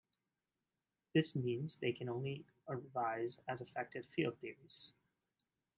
This means they can only arise as effective field theories.